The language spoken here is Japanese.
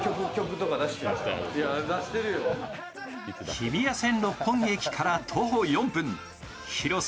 日比谷線・六本木駅から徒歩４分広さ